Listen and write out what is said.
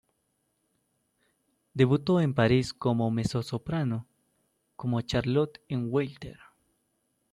Debutó en París, como mezzo-soprano como Charlotte en "Werther".